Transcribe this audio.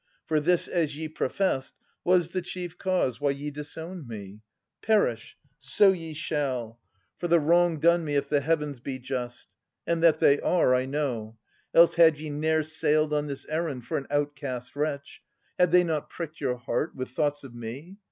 For this, as ye professed, was the chief cause Why ye disowned me. Perish! — So ye shall. 304 Philodetes [1035 1066 For the wrong done me, if the Heavens be just. And that they are, I know. Else had ye ne'er Sailed on this errand for an outcast wretch, Had they not pricked your heart with thoughts of me.